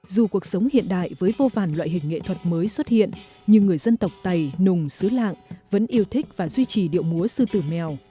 dù cuộc sống hiện đại với vô vàn loại hình nghệ thuật mới xuất hiện nhưng người dân tộc tày nùng xứ lạng vẫn yêu thích và duy trì điệu múa sư tử mèo